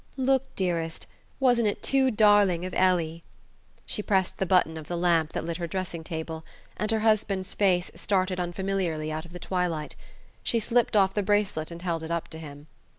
"Look, dearest wasn't it too darling of Ellie?" She pressed the button of the lamp that lit her dressing table, and her husband's face started unfamiliarly out of the twilight. She slipped off the bracelet and held it up to him.